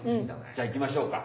じゃあいきましょうか。